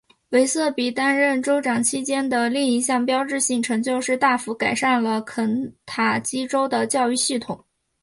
韦瑟比担任州长期间的另一项标志性成就是大幅改善了肯塔基州的教育系统。